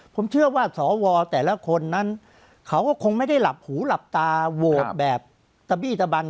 ผมเชื่อว่าสวแต่ละคนนั้นเขาก็คงไม่ได้หลับหูหลับตาโหวตแบบตะบี้ตะบัน